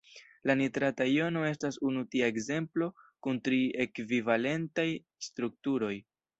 La nitrata jono estas unu tia ekzemplo kun tri ekvivalentaj strukturoj.